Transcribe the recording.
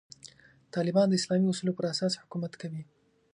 طالبان د اسلامي اصولو پر اساس حکومت کوي.